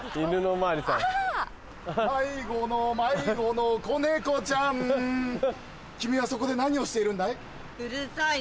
まいごのまいごのこねこちゃん君はそこで何をしているんだい？